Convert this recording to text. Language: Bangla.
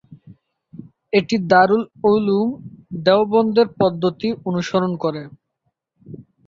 এটি দারুল উলূম দেওবন্দের পদ্ধতি অনুসরণ করে।